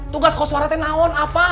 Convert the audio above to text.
tugas koswara itu apa